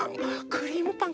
クリームパン